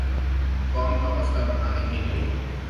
قوم کا حوصلہ بڑھانے کیلئے